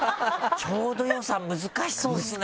ちょうど良さ難しそうですね！